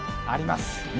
あります。